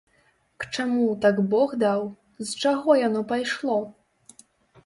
К чаму так бог даў, з чаго яно пайшло?